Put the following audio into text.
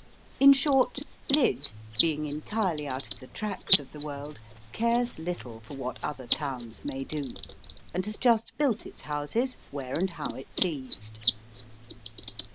In short, Lydd, being entirely out of the tracks of the world, cares little for what other towns may do, and has just built its houses where and how it pleased.